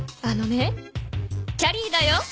あのねキャリーだよ。